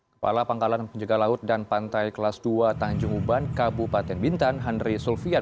kepala pangkalan penjaga laut dan pantai kelas dua tanjung uban kabupaten bintan henry sulfian